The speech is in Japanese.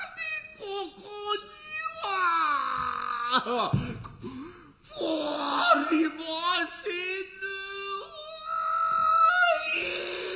ここにはござりませぬ。